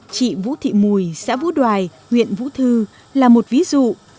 chị vũ thị mùi xã vũ đoài huyện vũ thư là một ví dụ